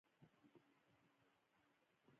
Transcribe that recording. مړه د ټول کور مینه وه